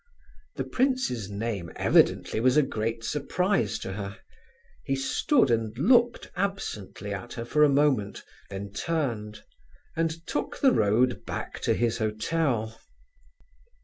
The prince's name evidently was a great surprise to her. He stood and looked absently at her for a moment, then turned, and took the road back to his hotel.